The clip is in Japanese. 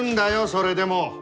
それでも！